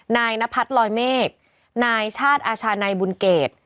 นายนพัฒน์ลอยเมฆนายชาติอาชานัยบุญเกต